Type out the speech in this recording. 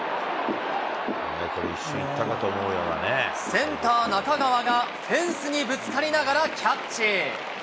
センター、中川がフェンスにぶつかりながらキャッチ。